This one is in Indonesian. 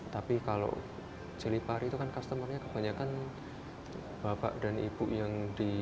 tapi kalau jelipari itu kan customer nya kebanyakan bapak dan ibu yang di